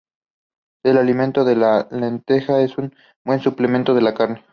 El alimento de la lenteja es un buen suplemento de la carne.